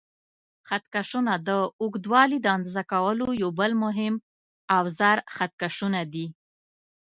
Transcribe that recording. خط کشونه: د اوږدوالي د اندازه کولو یو بل مهم اوزار خط کشونه دي.